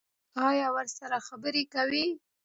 ایا ورسره خبرې کوئ؟